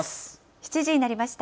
７時になりました。